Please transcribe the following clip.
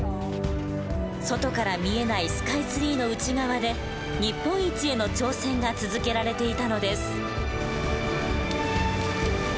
外から見えないスカイツリーの内側で日本一への挑戦が続けられていたのです。